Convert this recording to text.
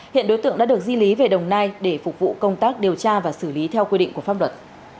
hiện đối tượng đã được di lý về đồng nai để phục vụ công tác điều tra và xử lý theo quy định của pháp luật